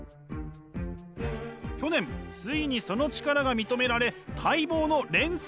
去年ついにその力が認められ待望の連載スタート！